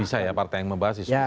itu bisa ya partai yang membahas